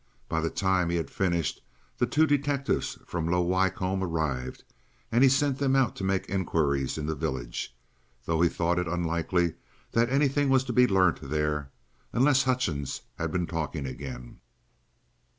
By the time he had finished the two detectives from Low Wycombe arrived, and he sent them out to make inquiries in the village, though he thought it unlikely that anything was to be learnt there, unless Hutchings had been talking again.